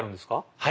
はい。